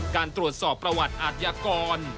การตรวจสอบประวัติอาทยากร